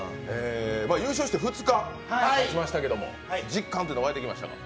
優勝して２日たちましたけども、実感というのは湧いてきましたか？